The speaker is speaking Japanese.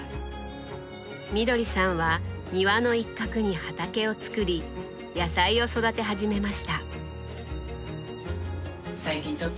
みどりさんは庭の一角に畑を作り野菜を育て始めました。